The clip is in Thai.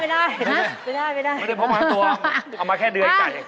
ไม่ได้พกมาตัวเอามาแค่เดือนไก่